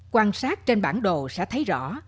quan sát trên bản đồ sẽ thấy rõ